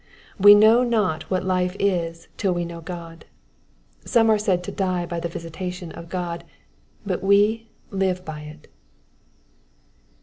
We know not what life is till we know God. Some are said to die by the visitation of God, but we live by it.